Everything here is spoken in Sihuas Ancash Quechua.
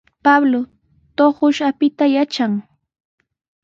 Pablo tuqush apita yatran.